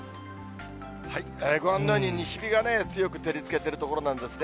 ご覧のように西日が強く照りつけているところなんですね。